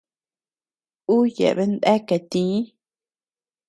Uu yeabean deakea tïi.